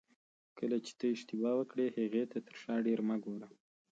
کله چې ته اشتباه وکړې هغې ته تر شا ډېر مه ګوره.